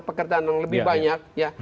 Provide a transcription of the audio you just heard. pekerjaan yang lebih banyak ya